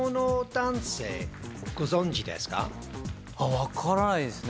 分からないですね。